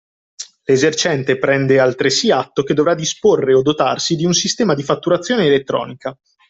L’esercente prende altresì atto che dovrà disporre o dotarsi di un sistema di fatturazione elettronica